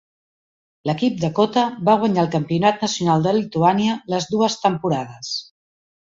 L'equip de Cota va guanyar el Campionat Nacional de Lituània les dues temporades.